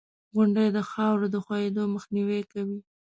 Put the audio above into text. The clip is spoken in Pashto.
• غونډۍ د خاورې د ښویېدو مخنیوی کوي.